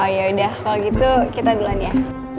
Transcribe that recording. oh yaudah kalau gitu kita duluan ya